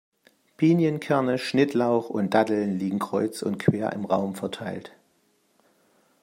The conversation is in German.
Pinienkerne, Schnittlauch und Datteln liegen kreuz und quer im Raum verteilt.